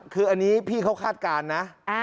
คืออันนี้พี่เขาคาดการณ์นะ